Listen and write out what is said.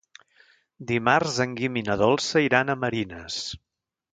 Dimarts en Guim i na Dolça iran a Marines.